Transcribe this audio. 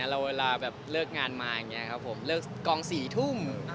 เราเวลาเลิกงานมาเลิกกอง๔ทุ่ม